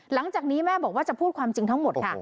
หลังจากนี้แม่บอกว่าจะพูดความจริงทั้งหมดค่ะ